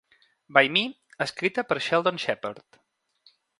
By Me, escrita per Sheldon Sheppard.